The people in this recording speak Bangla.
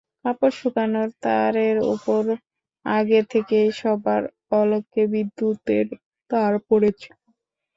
কাপড় শুকানোর তারের ওপর আগে থেকেই সবার অলক্ষ্যে বিদ্যুতের তার পড়ে ছিল।